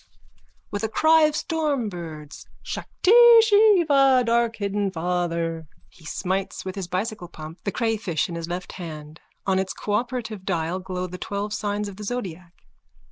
(With a cry of stormbirds.) Shakti Shiva, darkhidden Father! _(He smites with his bicycle pump the crayfish in his left hand. On its cooperative dial glow the twelve signs of the zodiac.